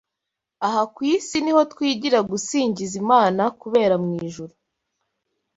Aha ku isi ni ho twigira gusingiza Imana kubera mu ijuru.